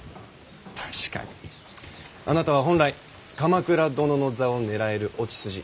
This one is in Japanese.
確かにあなたは本来鎌倉殿の座を狙えるお血筋。